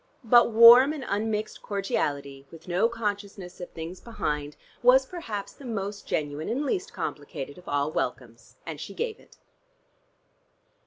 But warm and unmixed cordiality, with no consciousness of things behind, was perhaps the most genuine and least complicated of all welcomes, and she gave it.